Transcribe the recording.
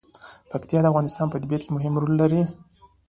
پکتیا د افغانستان په طبیعت کې مهم رول لري.